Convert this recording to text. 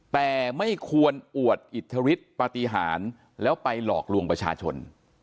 แต่ไม่ควรอวดอิทธิฤทธิปฏิหารแล้วไปหลอกลวงประชาชน